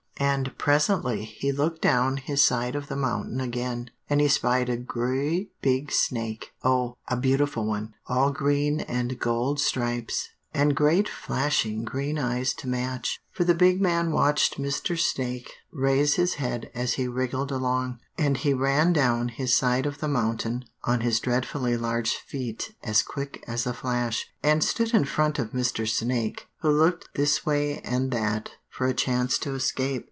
"And presently he looked down his side of the mountain again, and he spied a gre at big snake, oh, a beautiful one! all green and gold stripes, and great flashing green eyes to match; for the big man watched Mr. Snake raise his head as he wriggled along, and he ran down his side of the mountain on his dreadfully large feet as quick as a flash, and stood in front of Mr. Snake, who looked this way and that for a chance to escape.